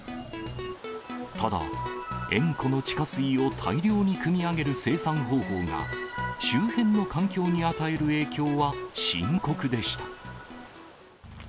ただ、塩湖の地下水を大量にくみ上げる生産方法が、周辺の環境に与える影響は深刻でした。